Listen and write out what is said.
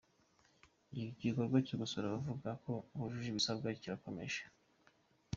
Igikorwa cyo gusura abavuga ko bujuje ibisabwa kirakomeje.